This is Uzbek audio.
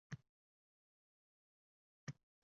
Toring ming bulbulday